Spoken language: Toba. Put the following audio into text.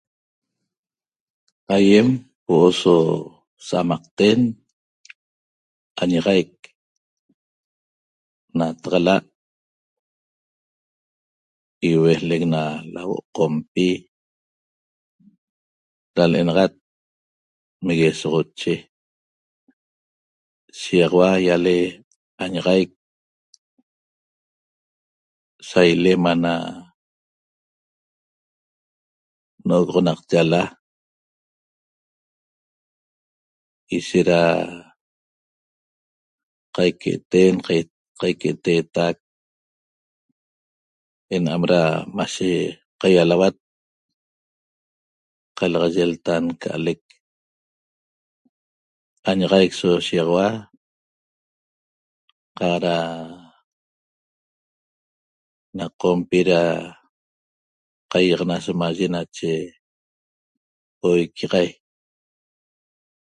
Aýem huo'o so sa'amaqten añaxaic nataxala' iuejlec na lahuo' Qompi da l'enaxat Meguesoxoche shiýaxaua ýale añaxaic sa ilem ana n'ogoxonate ala ishet da qaique'eten qaique'eteetac ena'am da mashe qaialauat qalaxaye lta nca'alec añaxaic so shiýaxaua qaq da na Qompi da qaiýaxana somaye nache oiquixai